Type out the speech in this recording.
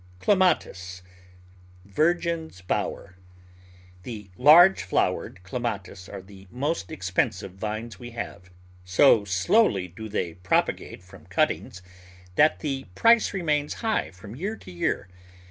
Clematis (Virgin's Bower) THE large flowered Clematis are the most expen sive vines we have. So slowly do they propa gate from cuttings that the price remains high from year to year.